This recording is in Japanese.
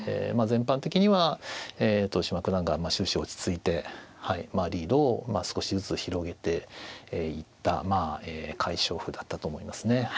全般的には豊島九段が終始落ち着いてリードを少しずつ広げていった快勝譜だったと思いますね。